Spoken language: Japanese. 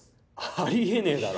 あり得ねえだろ。